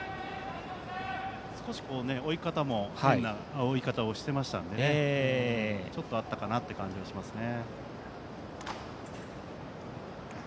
少し追い方も変な追い方をしていたのでちょっとあったかなという感じはしますね。